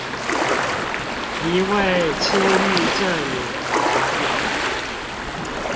一位輕鬱症女孩